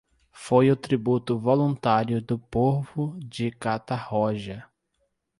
Foi o tributo voluntário do povo de Catarroja.